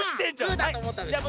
グーだとおもったでしょ。